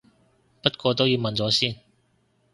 不過都要問咗先